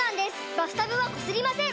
バスタブはこすりません！